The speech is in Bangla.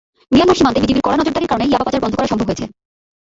মিয়ানমার সীমান্তে বিজিবির কড়া নজরদারির কারণে ইয়াবা পাচার বন্ধ করা সম্ভব হয়েছে।